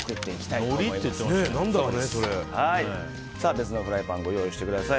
別のフライパンご用意してください。